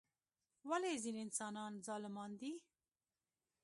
ولی ځینی انسانان ظالمان دي؟